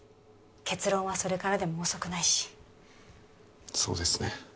結論はそれからでも遅くないしそうですね